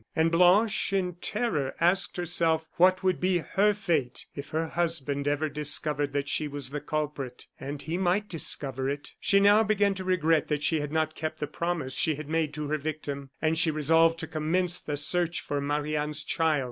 And Blanche, in terror, asked herself what would be her fate if her husband ever discovered that she was the culprit and he might discover it. She now began to regret that she had not kept the promise she had made to her victim; and she resolved to commence the search for Marie Anne's child.